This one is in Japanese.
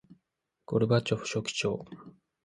ゴルバチョフ書記長